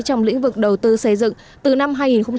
trong lĩnh vực đầu tư xây dựng từ năm hai nghìn một mươi